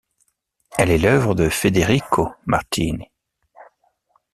Elle est l'œuvre de Federico Martini.